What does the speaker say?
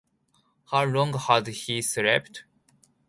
How long had he slept?